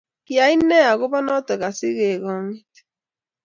kiyai nee agoba noto asigongeet